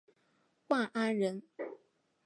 万安人。